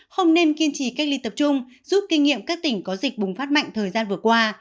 không nên kiên trì cách ly tập trung giúp kinh nghiệm các tỉnh có dịch bùng phát mạnh thời gian vừa qua